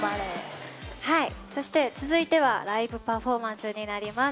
そして、続いてはライブパフォーマンスになります。